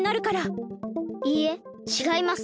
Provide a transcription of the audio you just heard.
いいえちがいます。